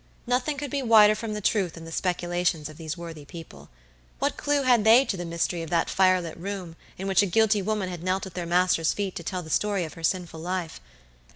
Nothing could be wider from the truth than the speculations of these worthy people. What clew had they to the mystery of that firelit room in which a guilty woman had knelt at their master's feet to tell the story of her sinful life?